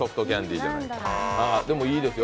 でも、いいですよ